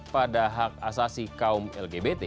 pada hak asasi kaum lgbt